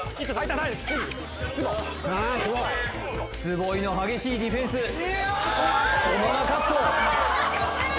坪井の激しいディフェンス小野がカット！